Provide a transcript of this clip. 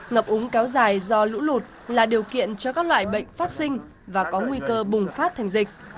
ngập úng kéo dài do lũ lụt là điều kiện cho các loại bệnh phát sinh và có nguy cơ bùng phát thành dịch